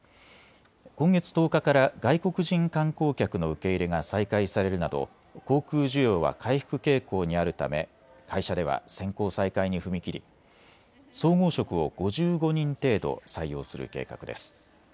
今月１０日から外国人観光客の受け入れが再開されるなど航空需要は回復傾向にあるため会社では選考再開に踏み切り総合職を５５人程度採用する計画です。